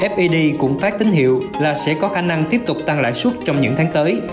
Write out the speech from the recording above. fdi cũng phát tín hiệu là sẽ có khả năng tiếp tục tăng lãi suất trong những tháng tới